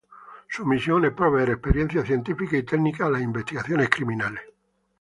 Su misión es proveer experiencia científica y técnica a las investigaciones criminales.